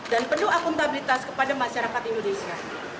dan penuh akuntabilitas kepada masyarakat indonesia